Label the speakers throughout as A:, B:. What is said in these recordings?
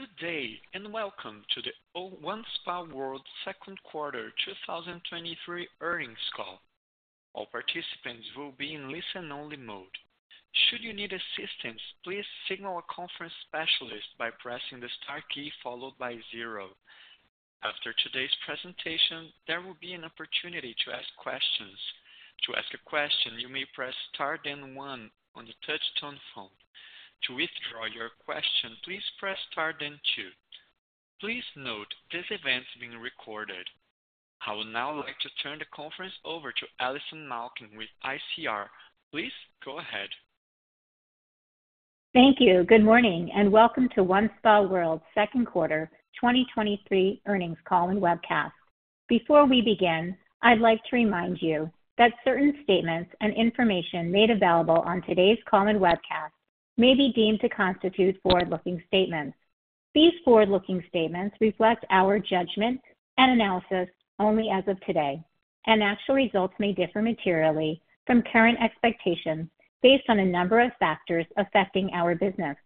A: Good day, and welcome to the OneSpaWorld second quarter 2023 earnings call. All participants will be in listen-only mode. Should you need assistance, please signal a conference specialist by pressing the star key followed by zero. After today's presentation, there will be an opportunity to ask questions. To ask a question, you may press star then one on the touchtone phone. To withdraw your question, please press star then two. Please note, this event is being recorded. I would now like to turn the conference over to Allison Malkin with ICR. Please go ahead.
B: Thank you. Good morning, and welcome to OneSpaWorld second quarter 2023 earnings call and webcast. Before we begin, I'd like to remind you that certain statements and information made available on today's call and webcast may be deemed to constitute forward-looking statements. These forward-looking statements reflect our judgment and analysis only as of today. Actual results may differ materially from current expectations based on a number of factors affecting our business.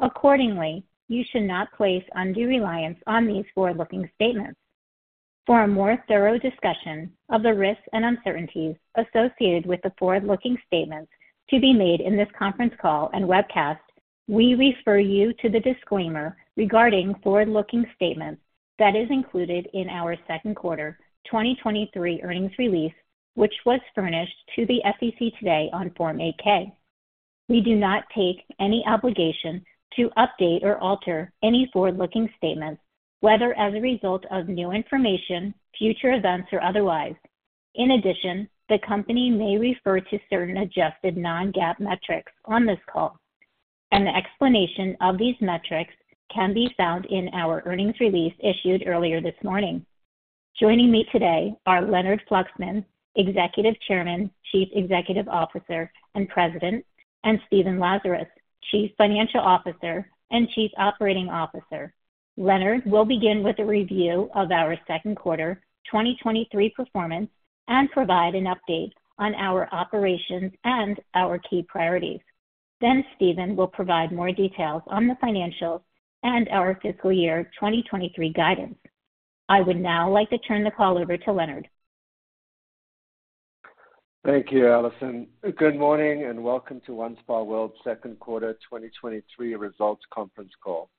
B: Accordingly, you should not place undue reliance on these forward-looking statements. For a more thorough discussion of the risks and uncertainties associated with the forward-looking statements to be made in this conference call and webcast, we refer you to the disclaimer regarding forward-looking statements that is included in our second quarter 2023 earnings release, which was furnished to the SEC today on Form 8-K. We do not take any obligation to update or alter any forward-looking statements, whether as a result of new information, future events, or otherwise. The company may refer to certain adjusted non-GAAP metrics on this call, and the explanation of these metrics can be found in our earnings release issued earlier this morning. Joining me today are Leonard Fluxman, Executive Chairman, Chief Executive Officer, and President, and Stephen Lazarus, Chief Financial Officer and Chief Operating Officer. Leonard will begin with a review of our second quarter 2023 performance and provide an update on our operations and our key priorities. Stephen will provide more details on the financials and our fiscal year 2023 guidance. I would now like to turn the call over to Leonard.
C: Thank you, Allison. Good morning, and welcome to OneSpaWorld second quarter 2023 results conference call.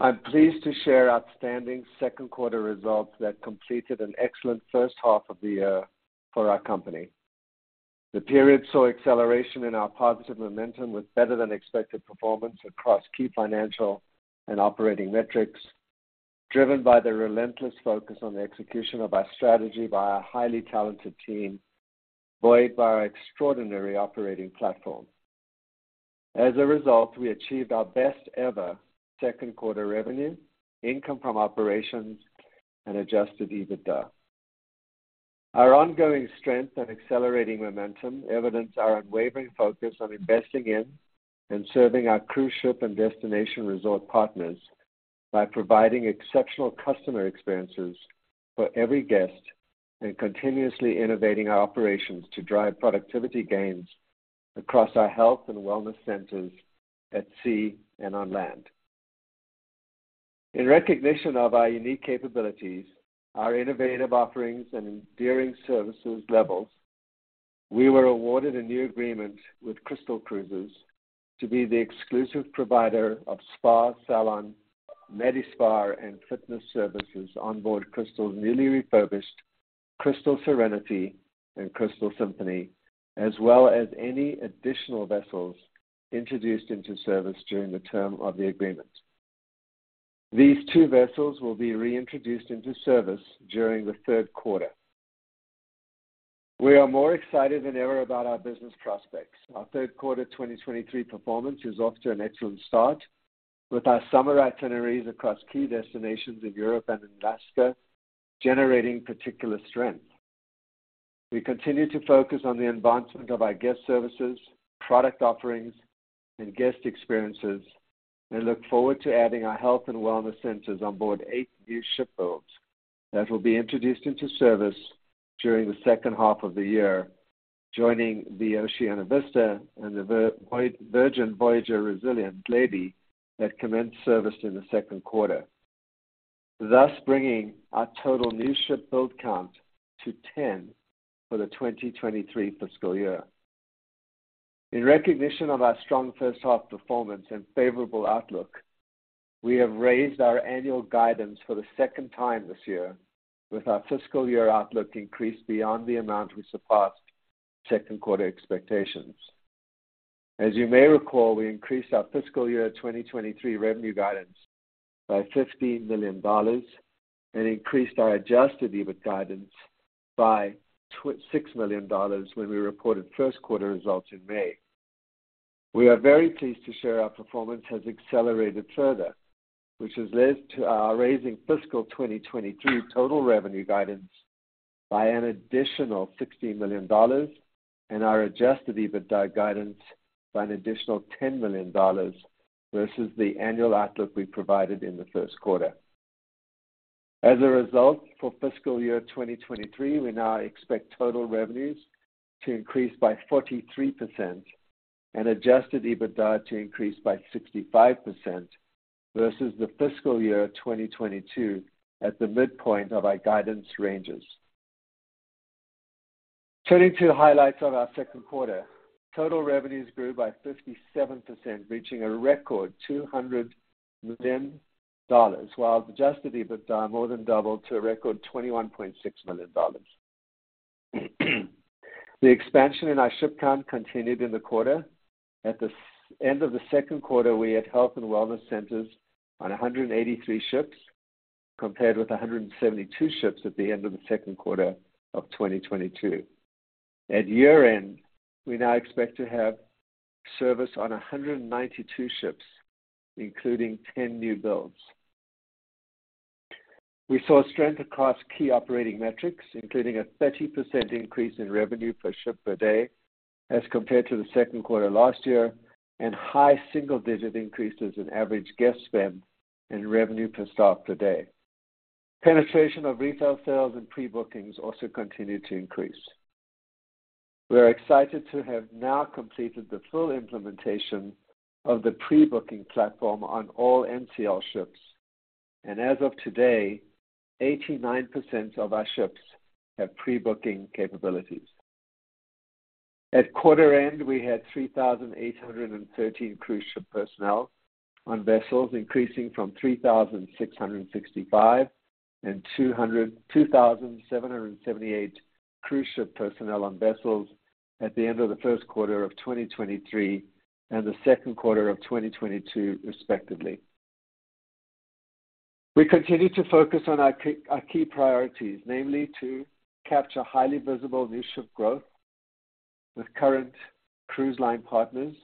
C: I'm pleased to share outstanding second quarter results that completed an excellent first half of the year for our company. The period saw acceleration in our positive momentum with better than expected performance across key financial and operating metrics, driven by the relentless focus on the execution of our strategy by our highly talented team, buoyed by our extraordinary operating platform. As a result, we achieved our best ever second quarter revenue, income from operations and Adjusted EBITDA. Our ongoing strength and accelerating momentum evidence our unwavering focus on investing in and serving our cruise ship and destination resort partners by providing exceptional customer experiences for every guest, and continuously innovating our operations to drive productivity gains across our health and wellness centers at sea and on land. In recognition of our unique capabilities, our innovative offerings, and enduring services levels, we were awarded a new agreement with Crystal Cruises to be the exclusive provider of spa, salon, Medi-Spa, and fitness services onboard Crystal's newly refurbished Crystal Serenity and Crystal Symphony, as well as any additional vessels introduced into service during the term of the agreement. These two vessels will be reintroduced into service during the third quarter. We are more excited than ever about our business prospects. Our third quarter 2023 performance is off to an excellent start, with our summer itineraries across key destinations in Europe and Alaska generating particular strength. We continue to focus on the advancement of our guest services, product offerings, and guest experiences, and look forward to adding our health and Wellness centers on board eight new ship builds that will be introduced into service during the second half of the year, joining the Oceania Vista and the Virgin Voyages' Resilient Lady that commenced service in the second quarter, thus bringing our total new ship build count to 10 for the 2023 fiscal year. In recognition of our strong first half performance and favorable outlook, we have raised our annual guidance for the second time this year, with our fiscal year outlook increased beyond the amount we surpassed second quarter expectations. As you may recall, we increased our fiscal year 2023 revenue guidance by $15 million and increased our Adjusted EBITDA guidance by $6 million when we reported first quarter results in May. We are very pleased to share our performance has accelerated further, which has led to our raising fiscal 2023 total revenue guidance by an additional $16 million and our Adjusted EBITDA guidance by an additional $10 million versus the annual outlook we provided in the first quarter. As a result, for fiscal year 2023, we now expect total revenues to increase by 43% and Adjusted EBITDA to increase by 65% versus the fiscal year 2022, at the midpoint of our guidance ranges. Turning to highlights of our second quarter. Total revenues grew by 57%, reaching a record $200 million, while Adjusted EBITDA more than doubled to a record $21.6 million. The expansion in our ship count continued in the quarter. At the end of the second quarter, we had health and wellness centers on 183 ships, compared with 172 ships at the end of the second quarter of 2022. At year-end, we now expect to have service on 192 ships, including 10 new builds. We saw strength across key operating metrics, including a 30% increase in revenue per ship per day as compared to the second quarter last year, and high single-digit increases in average guest spend and revenue per stop per day. Penetration of retail sales and pre-bookings also continued to increase. We are excited to have now completed the full implementation of the pre-booking platform on all NCL ships. As of today, 89% of our ships have pre-booking capabilities. At quarter end, we had 3,813 cruise ship personnel on vessels, increasing from 3,665 and 2,778 cruise ship personnel on vessels at the end of the first quarter of 2023 and the second quarter of 2022, respectively. We continue to focus on our key, our key priorities, namely, to capture highly visible new ship growth with current cruise line partners,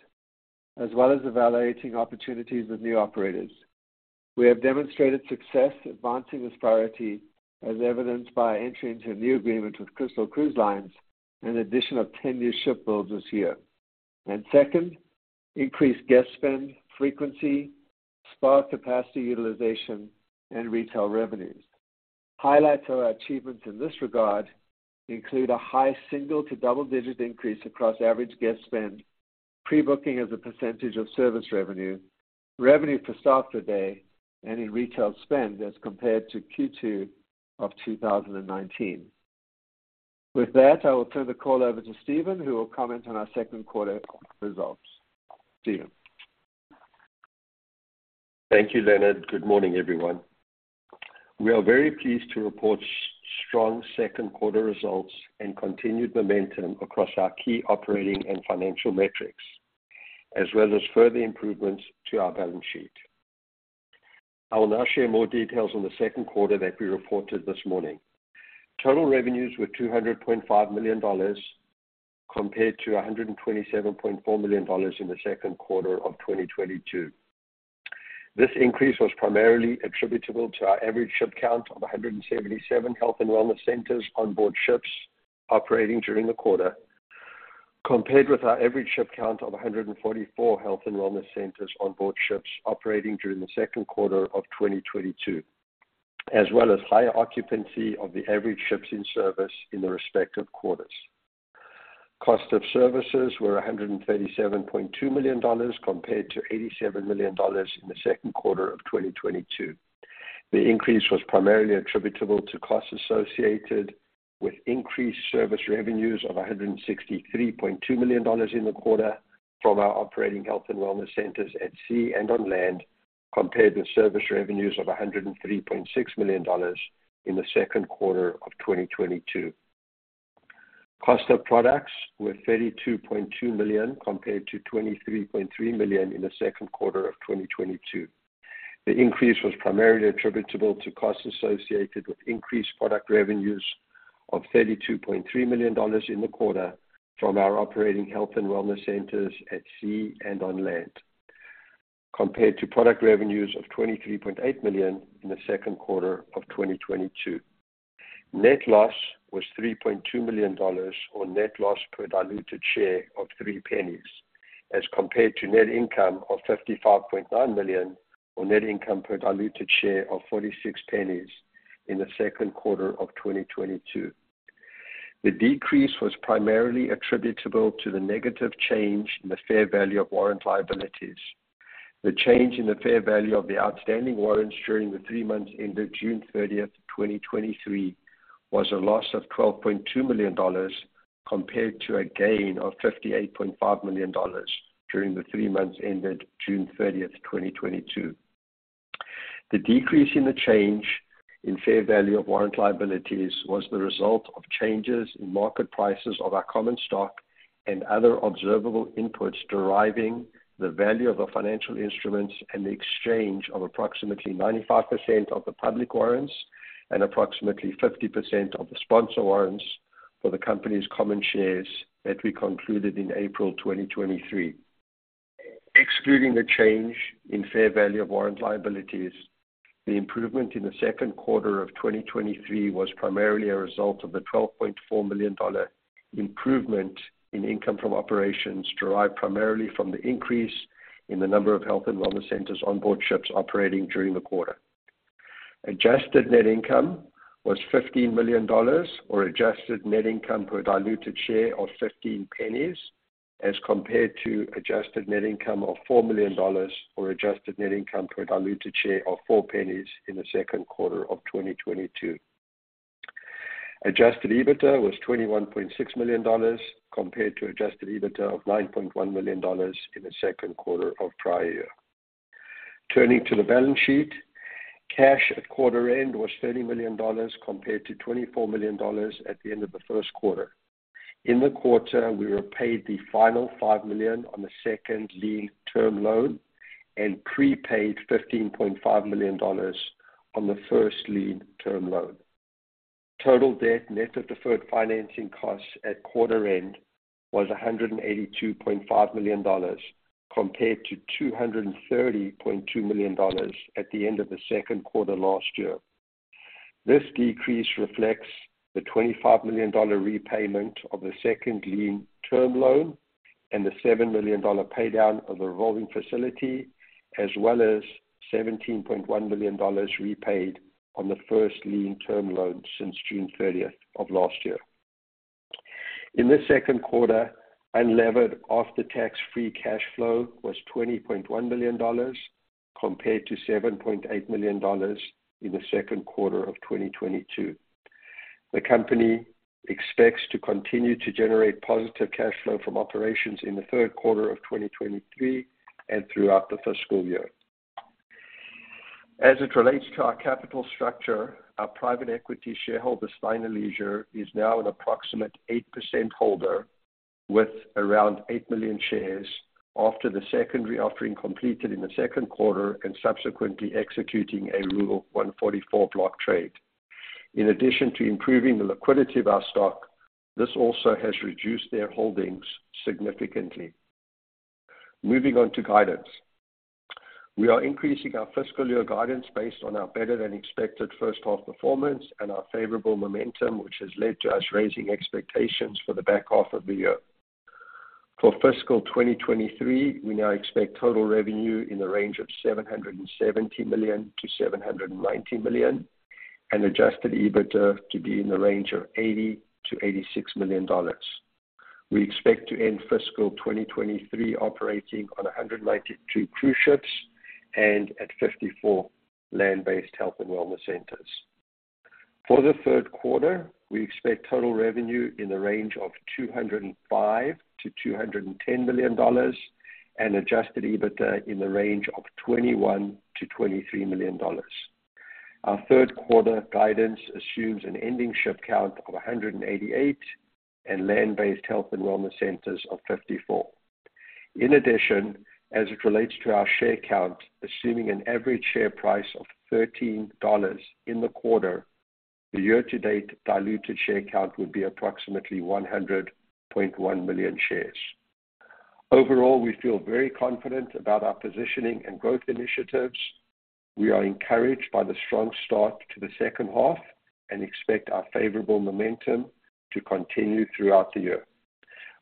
C: as well as evaluating opportunities with new operators. We have demonstrated success advancing this priority, as evidenced by entering into a new agreement with Crystal Cruises, an addition of 10 new ship builds this year. Second, increased guest spend, frequency, spa capacity utilization, and retail revenues. Highlights of our achievements in this regard include a high single- to double-digit increase across average guest spend, pre-booking as a percentage of service revenue, revenue per stop per day, and in retail spend as compared to Q2 of 2019. With that, I will turn the call over to Stephen, who will comment on our second quarter results. Stephen?
D: Thank you, Leonard. Good morning, everyone. We are very pleased to report strong second quarter results and continued momentum across our key operating and financial metrics, as well as further improvements to our balance sheet. I will now share more details on the second quarter that we reported this morning. Total revenues were $225 million, compared to $127.4 million in the second quarter of 2022. This increase was primarily attributable to our average ship count of 177 health and Wellness centers on board ships operating during the quarter, compared with our average ship count of 144 health and Wellness centers on board ships operating during the second quarter of 2022, as well as higher occupancy of the average ships in service in the respective quarters. Cost of services were $137.2 million, compared to $87 million in the second quarter of 2022. The increase was primarily attributable to costs associated with increased service revenues of $163.2 million in the quarter from our operating health and wellness centers at sea and on land, compared with service revenues of $103.6 million in the second quarter of 2022. Cost of products were $32.2 million, compared to $23.3 million in the second quarter of 2022. The increase was primarily attributable to costs associated with increased product revenues of $32.3 million in the quarter from our operating health and wellness centers at sea and on land, compared to product revenues of $23.8 million in the second quarter of 2022. Net loss was $3.2 million, or net loss per diluted share of $0.03, as compared to net income of $55.9 million, or net income per diluted share of $0.46 in the second quarter of 2022. The decrease was primarily attributable to the negative change in the fair value of warrant liabilities. The change in the fair value of the outstanding warrants during the three months ended June 30th, 2023, was a loss of $12.2 million, compared to a gain of $58.5 million during the three months ended June 30th, 2022. The decrease in the change in fair value of warrant liabilities was the result of changes in market prices of our common stock and other observable inputs, deriving the value of the financial instruments and the exchange of approximately 95% of the public warrants and approximately 50% of the sponsor warrants for the company's common shares that we concluded in April 2023. Excluding the change in fair value of warrant liabilities, the improvement in the second quarter of 2023 was primarily a result of the $12.4 million improvement in income from operations derived primarily from the increase in the number of health and wellness centers on board ships operating during the quarter. Adjusted net income was $15 million, or adjusted net income per diluted share of $0.15, as compared to adjusted net income of $4 million, or adjusted net income per diluted share of $0.04 in the second quarter of 2022. Adjusted EBITDA was $21.6 million, compared to Adjusted EBITDA of $9.1 million in the second quarter of prior year. Turning to the balance sheet, cash at quarter end was $30 million, compared to $24 million at the end of the first quarter. In the quarter, we repaid the final $5 million on the second lien term loan and prepaid $15.5 million on the first lien term loan. Total debt, net of deferred financing costs at quarter end was $182.5 million, compared to $230.2 million at the end of the second quarter last year. This decrease reflects the $25 million repayment of the second lien term loan and the $7 million pay down of the revolving facility, as well as $17.1 million repaid on the first lien term loan since June 30th of last year. In the second quarter, unlevered, after-tax free cash flow was $20.1 million, compared to $7.8 million in the second quarter of 2022. The company expects to continue to generate positive cash flow from operations in the third quarter of 2023 and throughout the fiscal year. As it relates to our capital structure, our private equity shareholder, Steiner Leisure, is now an approximate 8% holder with around 8 million shares after the secondary offering completed in the second quarter and subsequently executing a Rule 144 block trade. In addition to improving the liquidity of our stock, this also has reduced their holdings significantly. Moving on to guidance. We are increasing our fiscal year guidance based on our better-than-expected first half performance and our favorable momentum, which has led to us raising expectations for the back half of the year. For fiscal 2023, we now expect total revenue in the range of $770 million-$790 million, and Adjusted EBITDA to be in the range of $80 million-$86 million. We expect to end fiscal 2023 operating on 192 cruise ships and at 54 land-based health and wellness centers. For the third quarter, we expect total revenue in the range of $205 million-$210 million and Adjusted EBITDA in the range of $21 million-$23 million. Our third quarter guidance assumes an ending ship count of 188 and land-based health and wellness centers of 54. In addition, as it relates to our share count, assuming an average share price of $13 in the quarter, the year-to-date diluted share count would be approximately 100.1 million shares. Overall, we feel very confident about our positioning and growth initiatives. We are encouraged by the strong start to the second half and expect our favorable momentum to continue throughout the year.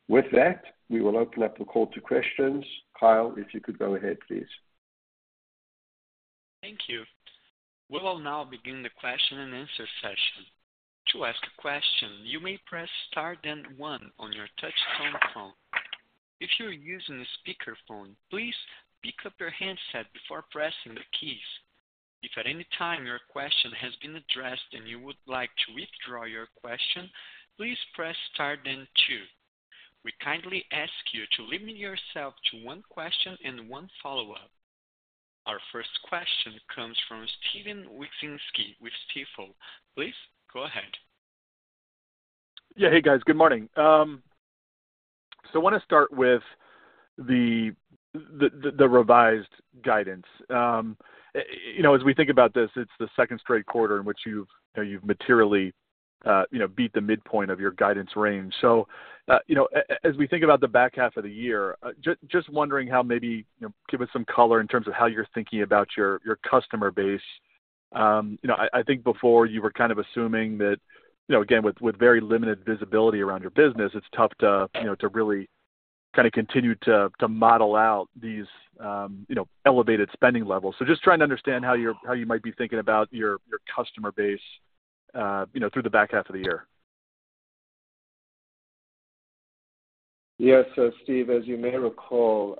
D: With that, we will open up the call to questions. Kyle, if you could go ahead, please.
A: Thank you. We will now begin the question-and-answer session. To ask a question, you may press star then one on your touchtone phone. If you are using a speakerphone, please pick up your handset before pressing the keys. If at any time your question has been addressed and you would like to withdraw your question, please press star then two. We kindly ask you to limit yourself to one question and one follow-up. Our first question comes from Steven Wieczynski with Stifel. Please go ahead.
E: Yeah. Hey, guys. Good morning. I want to start with the, the, the revised guidance. You know, as we think about this, it's the second straight quarter in which you've, you know, you've materially, you know, beat the midpoint of your guidance range. You know, as we think about the back half of the year, just, just wondering how maybe, you know, give us some color in terms of how you're thinking about your, your customer base. You know, I, I think before you were kind of assuming that, you know, again, with, with very limited visibility around your business, it's tough to, you know, to really kind of continue to, to model out these, you know, elevated spending levels. Just trying to understand how you're-- how you might be thinking about your, your customer base, you know, through the back half of the year.
C: Yes. Steve, as you may recall,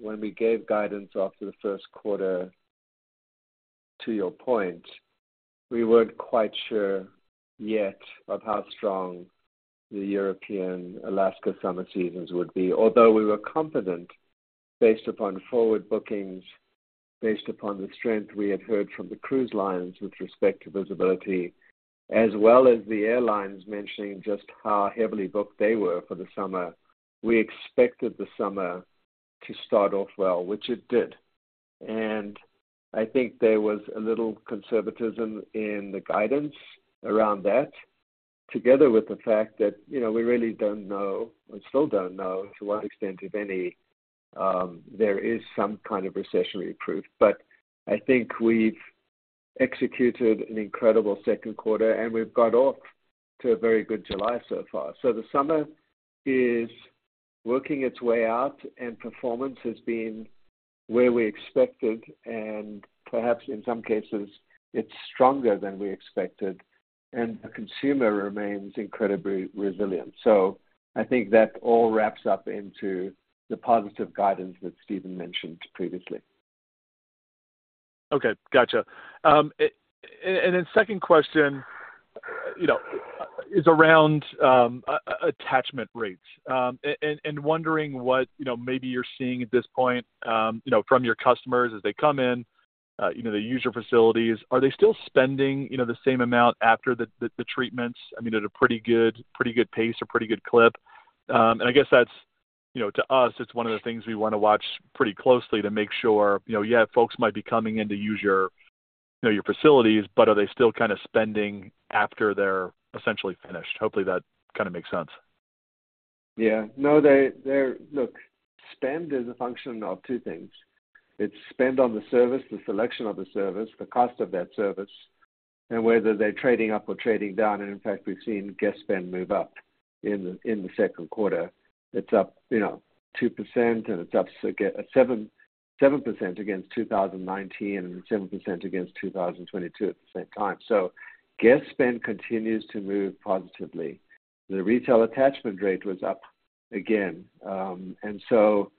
C: when we gave guidance after the first quarter, to your point, we weren't quite sure yet of how strong the European Alaska summer seasons would be. We were confident, based upon forward bookings, based upon the strength we had heard from the cruise lines with respect to visibility, as well as the airlines mentioning just how heavily booked they were for the summer, we expected the summer to start off well, which it did. I think there was a little conservatism in the guidance around that, together with the fact that, you know, we really don't know and still don't know to what extent, if any, there is some kind of recessionary proof. I think we've- ... executed an incredible second quarter. We've got off to a very good July so far. The summer is working its way out. Performance has been where we expected. Perhaps in some cases, it's stronger than we expected. The consumer remains incredibly resilient. I think that all wraps up into the positive guidance that Stephen mentioned previously.
E: Okay, gotcha. And then second question, you know, is around attachment rates. Wondering what, you know, maybe you're seeing at this point, you know, from your customers as they come in, you know, they use your facilities. Are they still spending, you know, the same amount after the, the, the treatments? I mean, at a pretty good, pretty good pace or pretty good clip. I guess that's, you know, to us, it's one of the things we wanna watch pretty closely to make sure, you know, yeah, folks might be coming in to use your, you know, your facilities, but are they still kinda spending after they're essentially finished? Hopefully, that kinda makes sense.
C: Yeah. No, Look, spend is a function of two things. It's spend on the service, the selection of the service, the cost of that service, and whether they're trading up or trading down, and in fact, we've seen guest spend move up in the, in the second quarter. It's up, you know, 2%, and it's up 7, 7% against 2019 and 7% against 2022 at the same time. Guest spend continues to move positively. The retail attachment rate was up again, and so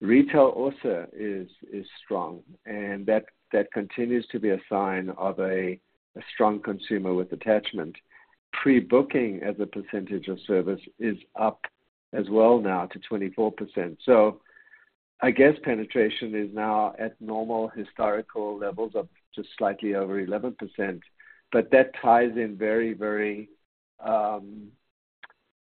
C: retail also is, is strong, and that, that continues to be a sign of a, a strong consumer with attachment. Pre-booking as a percentage of service is up as well now to 24%. I guess penetration is now at normal historical levels of just slightly over 11%, but that ties in very, very,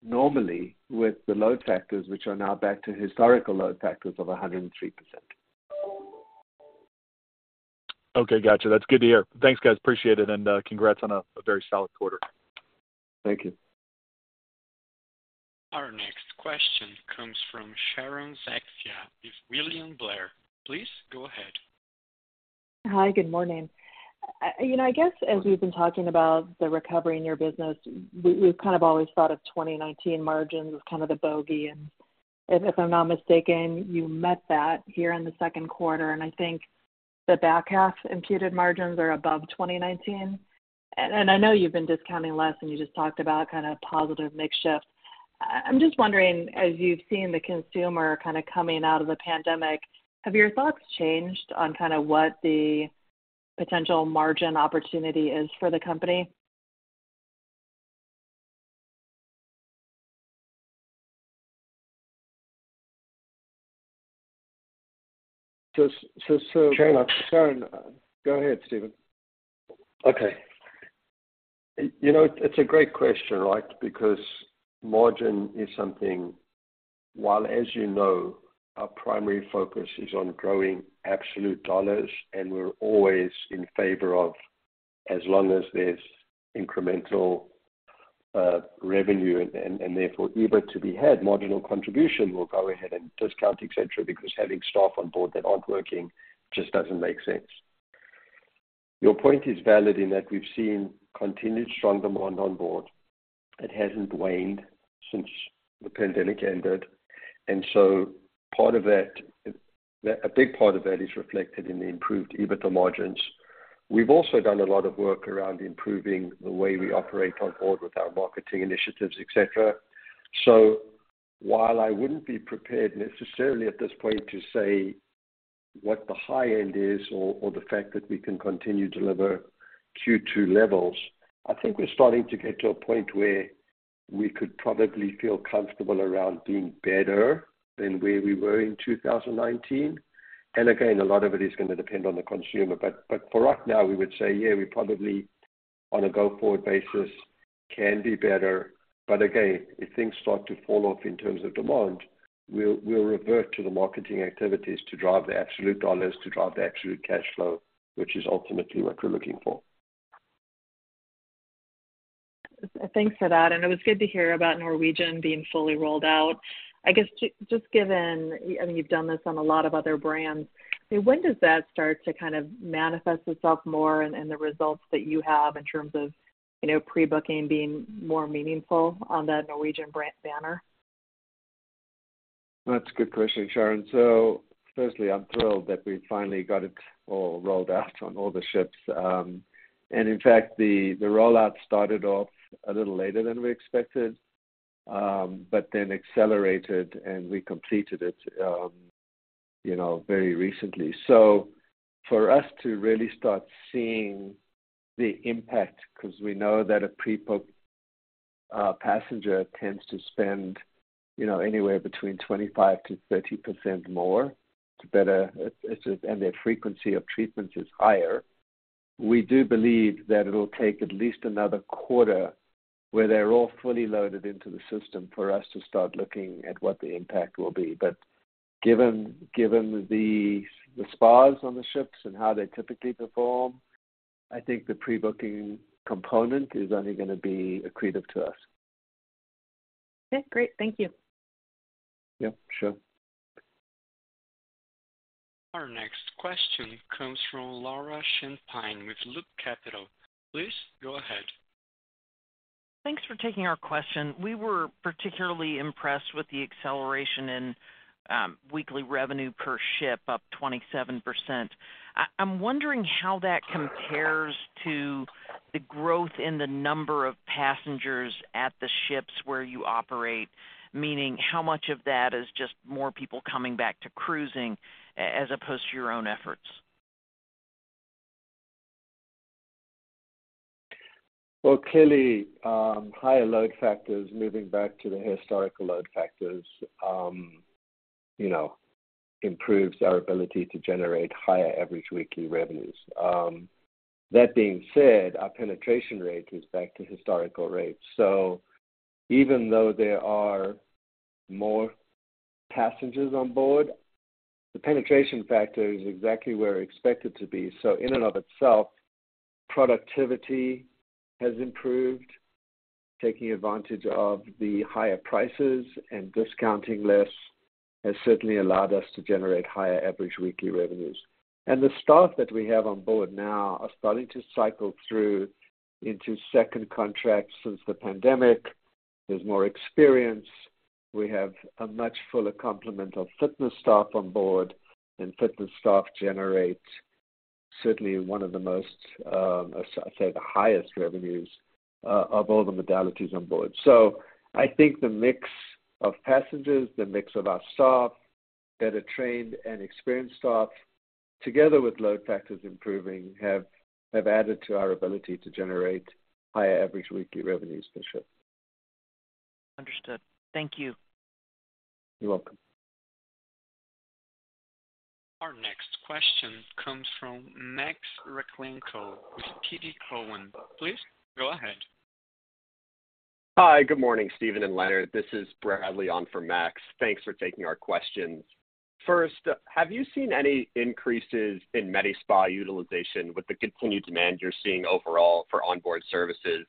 C: normally with the load factors, which are now back to historical load factors of 103%.
E: Okay, gotcha. That's good to hear. Thanks, guys. Appreciate it, and congrats on a, a very solid quarter.
C: Thank you.
A: Our next question comes from Sharon Zackfia with William Blair. Please go ahead.
F: Hi, good morning. you know, I guess as we've been talking about the recovery in your business, we, we've kind of always thought of 2019 margins as kind of the bogey, and if, if I'm not mistaken, you met that here in the second quarter, and I think the back half imputed margins are above 2019. I know you've been discounting less, and you just talked about kind of positive mix shift. I'm just wondering, as you've seen the consumer kinda coming out of the pandemic, have your thoughts changed on kinda what the potential margin opportunity is for the company?
C: Sharon, go ahead, Stephen.
D: Okay. You know, it's a great question, right? Because margin is something, while, as you know, our primary focus is on growing absolute dollars, and we're always in favor of as long as there's incremental revenue and therefore, EBIT to be had, marginal contribution will go ahead and discount, et cetera, because having staff on board that aren't working just doesn't make sense. Your point is valid in that we've seen continued strong demand on board. It hasn't waned since the pandemic ended, and so part of that, a big part of that is reflected in the improved EBITDA margins. We've also done a lot of work around improving the way we operate on board with our marketing initiatives, et cetera. While I wouldn't be prepared necessarily at this point to say what the high end is or the fact that we can continue to deliver Q2 levels, I think we're starting to get to a point where we could probably feel comfortable around being better than where we were in 2019. Again, a lot of it is gonna depend on the consumer. For right now, we would say, yeah, we probably, on a go-forward basis, can be better. Again, if things start to fall off in terms of demand, we'll revert to the marketing activities to drive the absolute dollars, to drive the absolute cash flow, which is ultimately what we're looking for.
F: Thanks for that, and it was good to hear about Norwegian being fully rolled out. I guess just given, I mean, you've done this on a lot of other brands. I mean, when does that start to kind of manifest itself more and, and the results that you have in terms of, you know, pre-booking being more meaningful on that Norwegian brand banner?
C: That's a good question, Sharon. Firstly, I'm thrilled that we finally got it all rolled out on all the ships. In fact, the, the rollout started off a little later than we expected, but then accelerated, and we completed it, you know, very recently. For us to really start seeing the impact, 'cause we know that a pre-book passenger tends to spend, you know, anywhere between 25%-30% more to better... Their frequency of treatment is higher. We do believe that it'll take at least another quarter, where they're all fully loaded into the system, for us to start looking at what the impact will be. Given, given the, the spas on the ships and how they typically perform, I think the pre-booking component is only gonna be accretive to us.
G: Okay, great. Thank you.
C: Yep, sure.
A: Our next question comes from Laura Champine with Loop Capital. Please go ahead.
H: Thanks for taking our question. We were particularly impressed with the acceleration in weekly revenue per ship, up 27%. I, I'm wondering how that compares to the growth in the number of passengers at the ships where you operate, meaning how much of that is just more people coming back to cruising as opposed to your own efforts?
C: Well, clearly, higher load factors, moving back to the historical load factors, you know, improves our ability to generate higher average weekly revenues. That being said, our penetration rate is back to historical rates. Even though there are more passengers on board, the penetration factor is exactly where expected to be. In and of itself, productivity has improved. Taking advantage of the higher prices and discounting less has certainly allowed us to generate higher average weekly revenues. The staff that we have on board now are starting to cycle through into second contracts since the pandemic. There's more experience. We have a much fuller complement of fitness staff on board, and fitness staff generates certainly one of the most, I'd say, the highest revenues of all the modalities on board. I think the mix of passengers, the mix of our staff, better trained and experienced staff, together with load factors improving, have added to our ability to generate higher average weekly revenues per ship.
H: Understood. Thank you.
C: You're welcome.
A: Our next question comes from Max Rakhlenko with Keefe, Bruyette & Woods. Please go ahead.
I: Hi. Good morning, Stephen and Leonard. This is Bradley on for Max. Thanks for taking our questions. First, have you seen any increases in Medi-Spa utilization with the continued demand you're seeing overall for onboard services?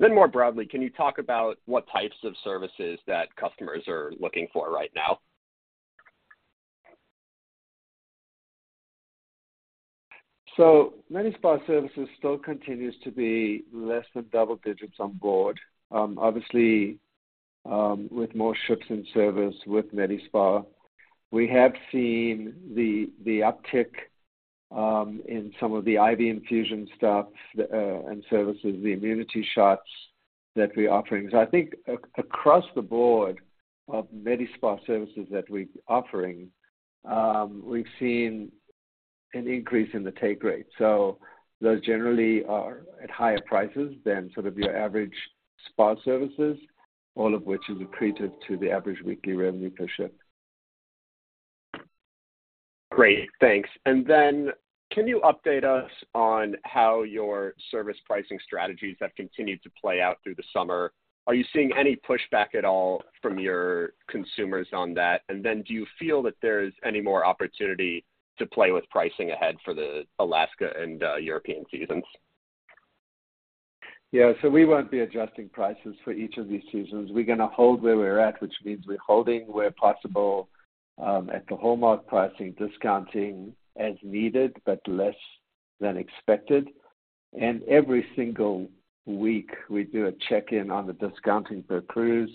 I: More broadly, can you talk about what types of services that customers are looking for right now?
C: Medi-Spa services still continues to be less than double digits on board. Obviously, with more ships in service with Medi-Spa, we have seen the, the uptick, in some of the IV infusion stuff, and services, the immunity shots that we're offering. I think across the board of Medi-Spa services that we're offering, we've seen an increase in the take rate. Those generally are at higher prices than sort of your average spa services, all of which is accretive to the average weekly revenue per ship.
I: Great, thanks. Can you update us on how your service pricing strategies have continued to play out through the summer? Are you seeing any pushback at all from your consumers on that? Do you feel that there's any more opportunity to play with pricing ahead for the Alaska and European seasons?
C: Yeah, so we won't be adjusting prices for each of these seasons. We're going to hold where we're at, which means we're holding where possible, at the hallmark pricing, discounting as needed, but less than expected. Every single week, we do a check-in on the discounting per cruise,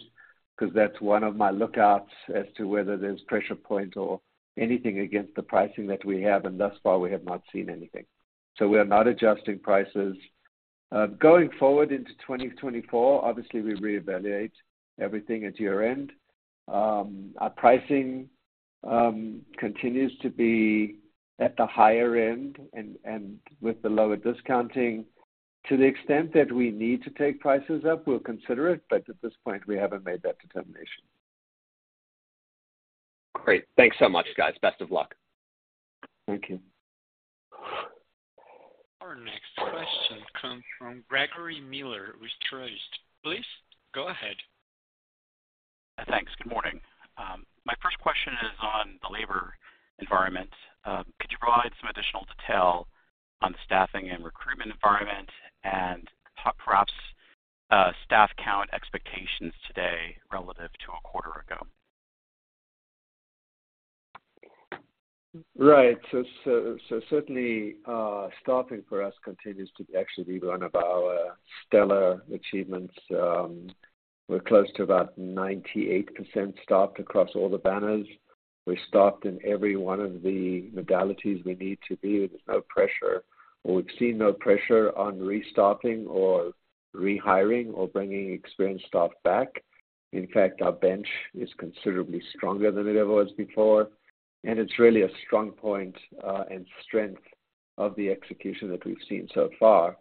C: because that's one of my lookouts as to whether there's pressure points or anything against the pricing that we have, and thus far, we have not seen anything. We are not adjusting prices. Going forward into 2024, obviously, we reevaluate everything at year-end. Our pricing continues to be at the higher end and, and with the lower discounting. To the extent that we need to take prices up, we'll consider it, but at this point, we haven't made that determination.
I: Great. Thanks so much, guys. Best of luck.
C: Thank you.
A: Our next question comes from Gregory Miller with Truist. Please go ahead.
J: Thanks. Good morning. My first question is on the labor environment. Could you provide some additional detail on staffing and recruitment environment and perhaps staff count expectations today relative to a quarter ago?
C: Right. Certainly, staffing for us continues to actually be one of our stellar achievements. We're close to about 98% staffed across all the banners. We're staffed in every one of the modalities we need to be, with no pressure. We've seen no pressure on restaffing or rehiring or bringing experienced staff back. In fact, our bench is considerably stronger than it ever was before, and it's really a strong point and strength of the execution that we've seen so far.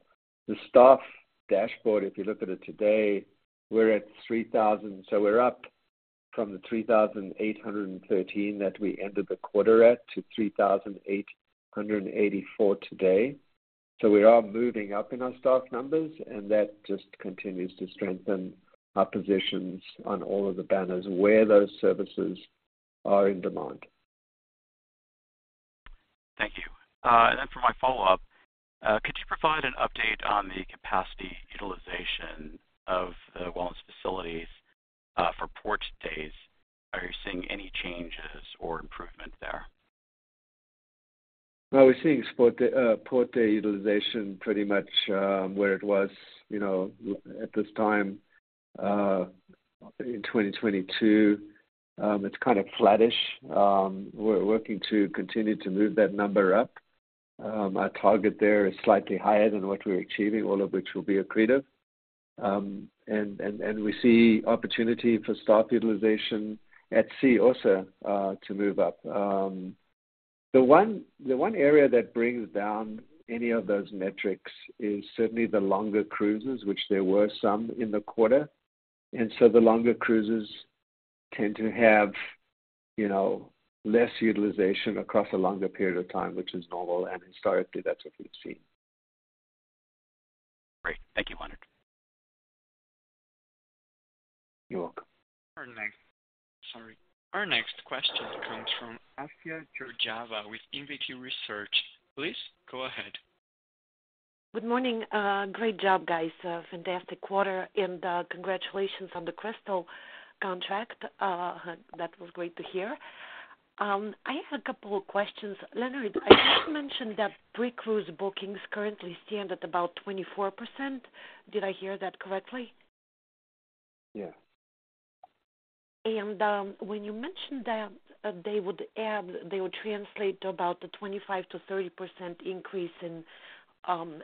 C: The staff dashboard, if you look at it today, we're up from the 3,813 that we ended the quarter at to 3,884 today. We are moving up in our staff numbers, and that just continues to strengthen our positions on all of the banners where those services are in demand.
J: Then for my follow-up, could you provide an update on the capacity utilization of Wellness facilities for port days? Are you seeing any changes or improvement there?
C: Well, we're seeing port, port day utilization pretty much, where it was, you know, at this time, in 2022. It's kind of flattish. We're working to continue to move that number up. Our target there is slightly higher than what we're achieving, all of which will be accretive. We see opportunity for staff utilization at sea also, to move up. The one, the one area that brings down any of those metrics is certainly the longer cruises, which there were some in the quarter. The longer cruises tend to have, you know, less utilization across a longer period of time, which is normal, and historically, that's what we've seen.
J: Great. Thank you, Leonard.
C: You're welcome.
A: Sorry. Our next question comes from Assia Georgieva with Infinity Research. Please go ahead.
K: Good morning. Great job, guys. Fantastic quarter, and congratulations on the Crystal contract. That was great to hear. I have a couple of questions. Leonard, I just mentioned that pre-cruise bookings currently stand at about 24%. Did I hear that correctly?
C: Yeah.
K: When you mentioned that they would add, they would translate to about the 25%-30% increase in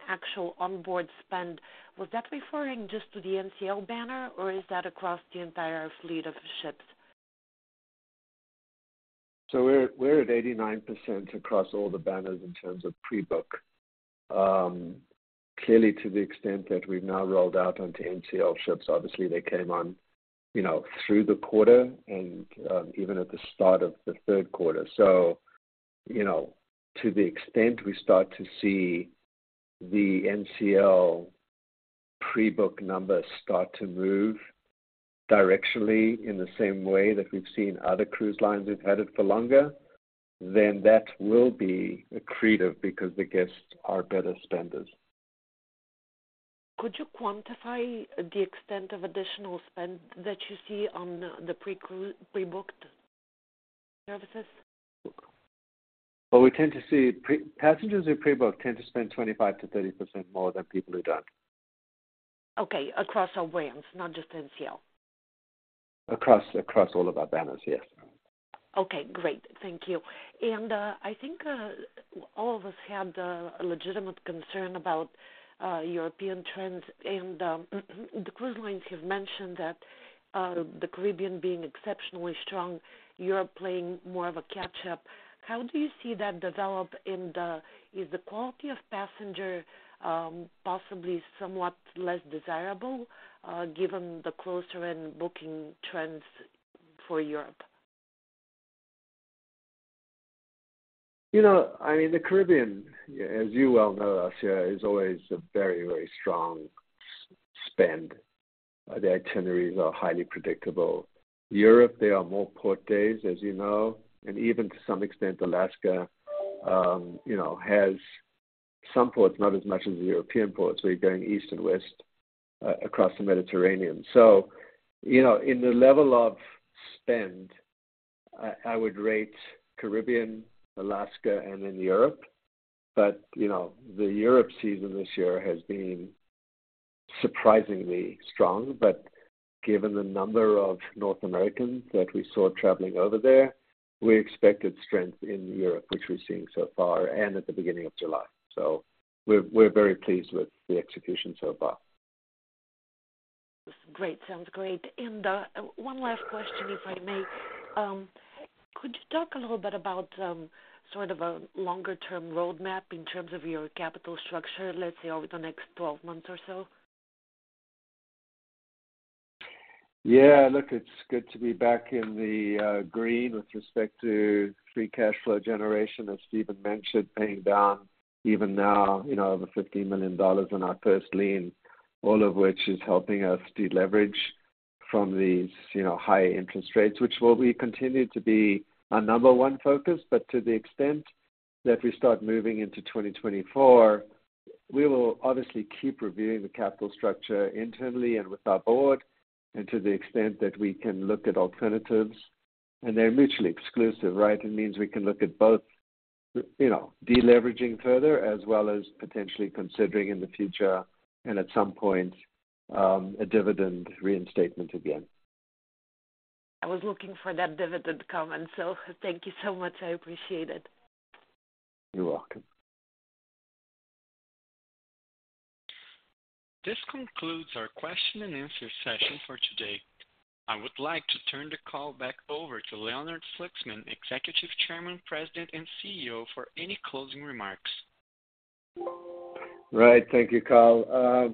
K: actual onboard spend, was that referring just to the NCL banner, or is that across the entire fleet of ships?
C: We're, we're at 89% across all the banners in terms of pre-book. Clearly, to the extent that we've now rolled out onto NCL ships, obviously, they came on, you know, through the quarter and, even at the start of the third quarter. You know, to the extent we start to see the NCL pre-book numbers start to move directionally in the same way that we've seen other cruise lines we've had it for longer, then that will be accretive because the guests are better spenders.
K: Could you quantify the extent of additional spend that you see on the, the pre-booked services?
C: Well, we tend to see passengers who pre-book tend to spend 25%-30% more than people who don't.
K: Okay, across all brands, not just NCL.
C: Across all of our banners, yes.
K: Okay, great. Thank you. I think, all of us had a, a legitimate concern about, European trends, and, the cruise lines have mentioned that, the Caribbean being exceptionally strong, Europe playing more of a catch up. How do you see that develop? Is the quality of passenger, possibly somewhat less desirable, given the closer end booking trends for Europe?
C: You know, I mean, the Caribbean, as you well know, Assia, is always a very, very strong spend. The itineraries are highly predictable. Europe, there are more port days, as you know, and even to some extent, Alaska, you know, has some ports, not as much as the European ports, where you're going east and west across the Mediterranean. You know, in the level of spend, I, I would rate Caribbean, Alaska, and then Europe. You know, the Europe season this year has been surprisingly strong. Given the number of North Americans that we saw traveling over there, we expected strength in Europe, which we're seeing so far and at the beginning of July. We're, we're very pleased with the execution so far.
K: Great. Sounds great. One last question, if I may. Could you talk a little bit about, sort of a longer-term roadmap in terms of your capital structure, let's say, over the next 12 months or so?
C: Yeah, look, it's good to be back in the green with respect to free cash flow generation, as Stephen mentioned, paying down even now, you know, over $50 million on our first lien, all of which is helping us deleverage from these, you know, high interest rates, which will be continued to be our number one focus. To the extent that we start moving into 2024, we will obviously keep reviewing the capital structure internally and with our board, and to the extent that we can look at alternatives, and they're mutually exclusive, right? It means we can look at both, you know, deleveraging further, as well as potentially considering in the future, and at some point, a dividend reinstatement again.
K: I was looking for that dividend comment, so thank you so much. I appreciate it.
C: You're welcome.
A: This concludes our question and answer session for today. I would like to turn the call back over to Leonard Fluxman, Executive Chairman, President, and CEO, for any closing remarks.
C: Right. Thank you, Kyle.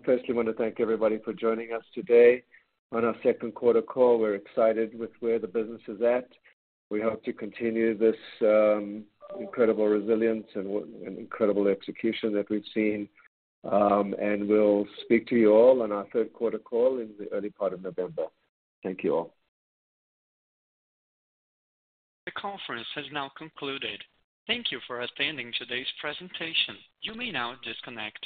C: firstly, I want to thank everybody for joining us today on our second quarter call. We're excited with where the business is at. We hope to continue this, incredible resilience and incredible execution that we've seen. We'll speak to you all on our third quarter call in the early part of November. Thank you all.
A: The conference has now concluded. Thank you for attending today's presentation. You may now disconnect.